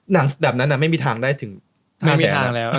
หนังแบบนั้นไม่มีทางได้ถึงท่าแทน